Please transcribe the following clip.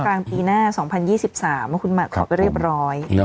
กลางปีหน้าสองพันยี่สิบสามวันคุณหมดขอบไปเรียบร้อยอีกละ